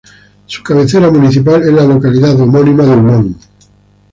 Su cabecera municipal es la localidad homónima de Umán.